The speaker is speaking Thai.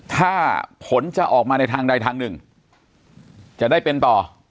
ถ้าผลจะออกมาในทางใดทางหนึ่งจะได้เป็นต่อ